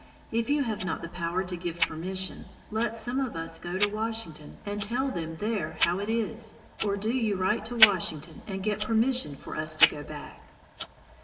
If you have not the power to give permission, let some of us go to Washington and tell them there how it is, or do you write to Washington and get permission for us to go back."